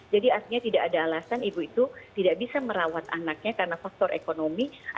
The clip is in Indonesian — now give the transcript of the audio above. jadi artinya tidak ada alasan ibu itu tidak bisa merawat anaknya karena faktor ekonomi